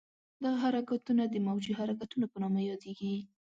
دغه حرکتونه د موجي حرکتونو په نامه یادېږي.